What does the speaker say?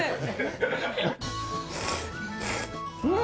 うん！